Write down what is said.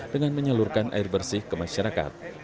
dengan menyalurkan air bersih ke masyarakat